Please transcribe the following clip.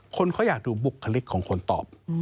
คนเขาอยากดูบุคลิกของคนตอบ